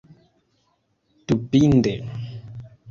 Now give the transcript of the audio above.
Dubinde.